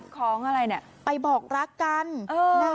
เป็นความบอกรักของอะไรเนี่ย